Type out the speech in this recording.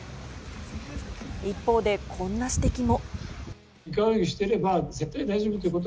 一方でこんな指摘も。